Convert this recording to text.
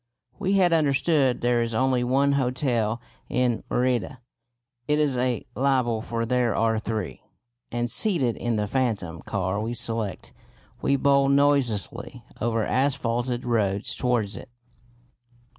We had understood there is only one hotel in Merida (it is a libel, for there are three), and, seated in the phantom car we select, we bowl noiselessly over asphalted roads towards it.